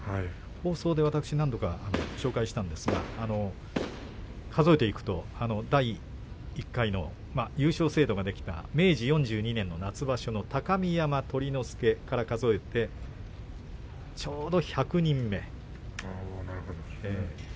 放送で私、何度か紹介したんですが優勝制度ができた明治４２年の夏場所の高見山酉之助から数えてちょうど１００人目。